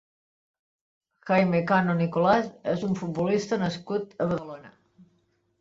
Jaime Cano Nicolás és un futbolista nascut a Badalona.